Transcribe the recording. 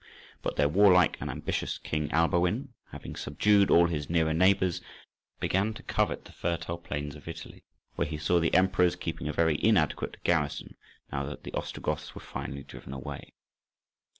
But their warlike and ambitious King Alboin, having subdued all his nearer neighbours, began to covet the fertile plains of Italy, where he saw the emperors keeping a very inadequate garrison, now that the Ostrogoths were finally driven away.